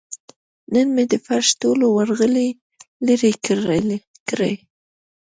نن مې د فرش ټولې ورغلې لرې کړې.